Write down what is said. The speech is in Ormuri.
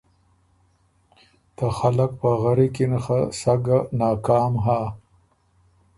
ته خلق پغری کی ن خه سَۀ ګه ناکام هۀ۔